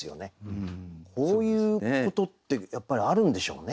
こういうことってやっぱりあるんでしょうね？